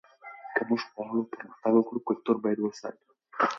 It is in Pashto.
که موږ غواړو پرمختګ وکړو کلتور باید وساتو.